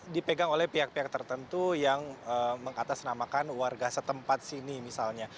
dipegang oleh pihak pihak tertentu yang mengatasnamakan warga setempat sini misalnya